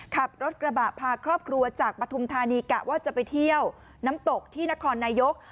ขับรถกระบะพาครอบครัวจากปฐุมธานีกะว่าจะไปเที่ยวน้ำตกที่นครนายก